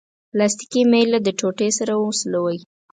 پلاستیکي میله د ټوټې سره وسولوئ.